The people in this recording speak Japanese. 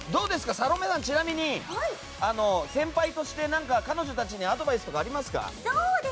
サロメさんちなみに先輩としてアドバイスありますか？